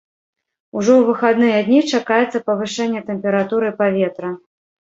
Ужо ў выхадныя дні чакаецца павышэнне тэмпературы паветра.